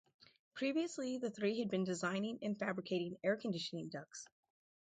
Previously the three had been designing and fabricating air conditioning ducts.